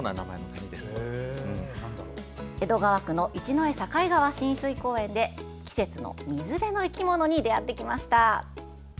江戸川区の一之江境川親水公園で季節の水辺の生き物に出会ってきました。